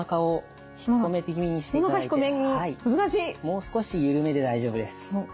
もう少し緩めで大丈夫です。